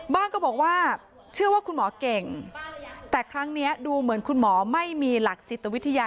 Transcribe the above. ก็บอกว่าเชื่อว่าคุณหมอเก่งแต่ครั้งนี้ดูเหมือนคุณหมอไม่มีหลักจิตวิทยา